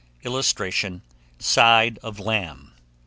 [Illustration: SIDE OF LAMB.